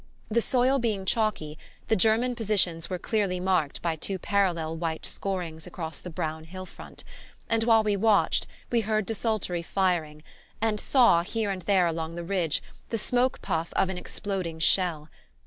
The soil being chalky, the German positions were clearly marked by two parallel white scorings across the brown hill front; and while we watched we heard desultory firing, and saw, here and there along the ridge, the smoke puff of an exploding shell.